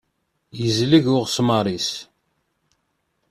Yezleg uɣesmar-is.